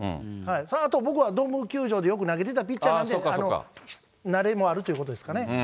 あと僕はドーム球場でよく投げてたピッチャーなんで、慣れもあるということですかね。